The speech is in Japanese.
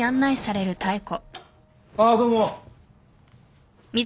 あどうも。